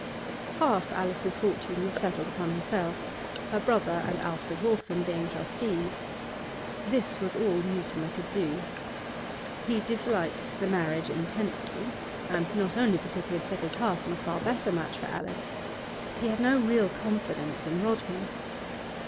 Half Alice's fortune was settled upon herself, her brother and Alfred Waltham being trustees. This was all Mutimer could do. He disliked the marriage intensely, and not only because he had set his heart on a far better match for Alice; he had no real confidence in Rodman.